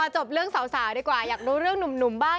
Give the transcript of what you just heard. จบเรื่องสาวดีกว่าอยากรู้เรื่องหนุ่มบ้าง